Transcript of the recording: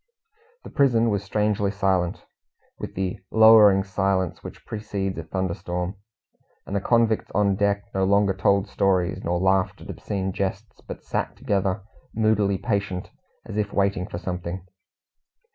The prison was strangely silent, with the lowering silence which precedes a thunderstorm; and the convicts on deck no longer told stories, nor laughed at obscene jests, but sat together, moodily patient, as if waiting for something.